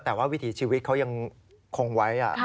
แต่ว่าวิถีชีวิตเขายังคงไว้